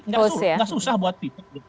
nggak susah buat viva